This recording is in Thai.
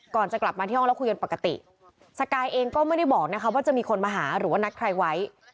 ก่อนจะกลับมาที่ห้องแล้วคุยกันปกติสกายเองก็ไม่ได้บอกนะคะว่าจะมีคนมาหาหรือว่านัดใครไว้